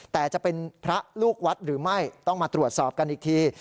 แต่จะเป็นพระลูกวัดหรือไม่ต้องมาตรวจสอบกันอีกที